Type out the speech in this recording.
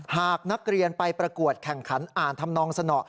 หากนักเรียนไปประกวดแข่งขันอ่านทำนองสนอ